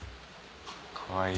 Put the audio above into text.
かわいい。